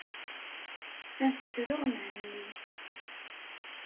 Ad ttreɣ Mhenni.